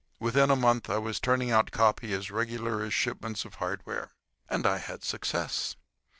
Within a month I was turning out copy as regular as shipments of hardware. And I had success.